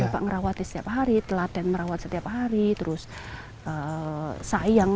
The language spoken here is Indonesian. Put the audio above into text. bapak merawatnya setiap hari telat dan merawat setiap hari terus saing